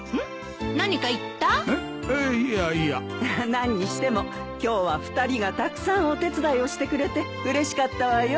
何にしても今日は２人がたくさんお手伝いをしてくれてうれしかったわよ。